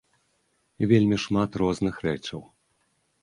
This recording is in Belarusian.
Вельмі шмат розных рэчаў.